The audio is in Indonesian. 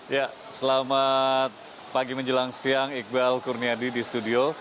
ya selamat pagi menjelang siang iqbal kurniadi di studio